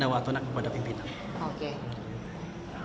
harus samin apa yang akan kita lakukan pada pimpinan